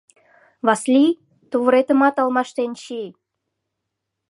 — Васлий, тувыретымат алмаштен чий!